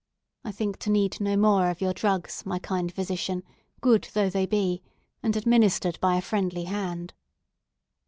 I think to need no more of your drugs, my kind physician, good though they be, and administered by a friendly hand."